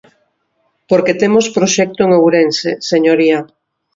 Porque temos proxecto en Ourense, señoría.